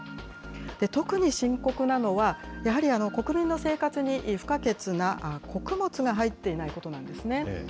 特に深刻なのは、やはり国民の生活に不可欠な穀物が入っていないことなんですね。